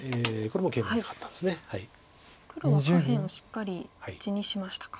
黒は下辺をしっかり地にしましたか。